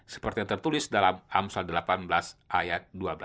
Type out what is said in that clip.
seperti tertulis dalam amsal delapan belas ayat dua belas